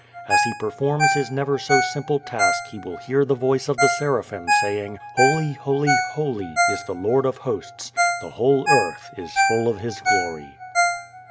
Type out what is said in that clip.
As he performs his never so simple task he will hear the voice of the seraphim saying, "Holy, Holy, Holy, is the Lord of hosts: the whole earth is full of his glory."